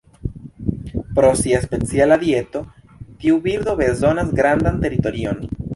Pro sia speciala dieto, tiu birdo bezonas grandan teritorion.